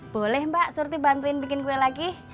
boleh mbak surti bantuin bikin kue lagi